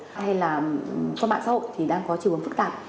hay là cho mạng xã hội thì đang có trường hợp phức tạp